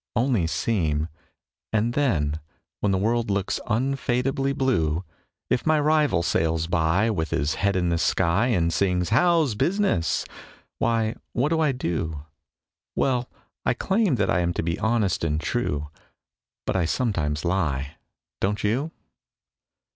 Only seem; And then, when the world looks unfadably blue, If my rival sails by With his head in the sky, And sings "How is business?" why, what do I do? Well, I claim that I aim to be honest and true, But I sometimes lie. Don't you?